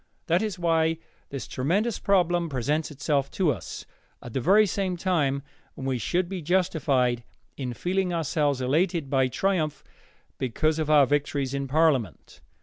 That is why this tremendous problem presents itself to us, at the very time when we should be justified in feeling ourselves elated by triumph because of our victories in parliament.